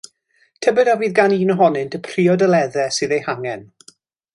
Tybed a fydd gan un ohonynt y priodoleddau sydd eu hangen?